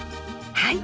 はい。